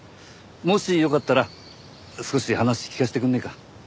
もしよかったら少し話聞かせてくれねえか？